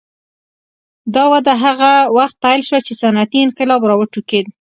دا وده هغه وخت پیل شوه چې صنعتي انقلاب راوټوکېد.